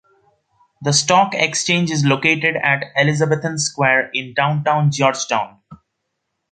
The stock exchange is located at Elizabethan Square in downtown George Town.